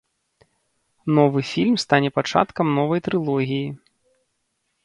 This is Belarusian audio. Новы фільм стане пачаткам новай трылогіі.